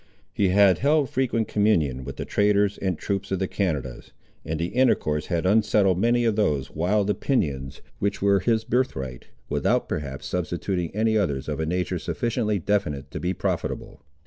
He had held frequent communion with the traders and troops of the Canadas, and the intercourse had unsettled many of those wild opinions which were his birthright, without perhaps substituting any others of a nature sufficiently definite to be profitable.